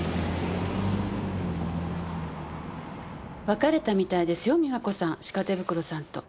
別れたみたいですよ美和子さん鹿手袋さんと。